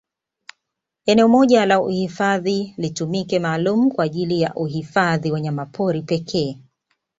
Eneo moja la uhifadhi litumike maalum kwa ajili ya uhifadhi wanyamapori pekee